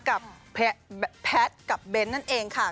กับแพทกับเบนท์นั่นเองค่ะ